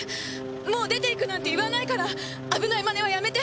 もう出ていくなんて言わないから危ない真似はやめて。